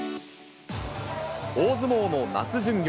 大相撲の夏巡業。